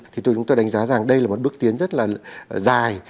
thì tôi chúng tôi đánh giá rằng đây là một bước tiến rất là dài